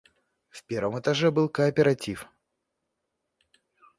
В первом этаже был кооператив.